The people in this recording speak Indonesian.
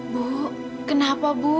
bu kenapa bu